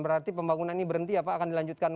berarti pembangunan ini berhenti ya pak akan dilanjutkan